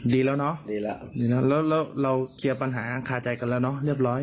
ดีแล้วเนอะดีแล้วแล้วเราเคลียร์ปัญหาอังคาใจกันแล้วเนอะเรียบร้อย